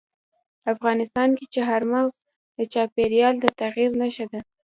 افغانستان کې چار مغز د چاپېریال د تغیر نښه ده.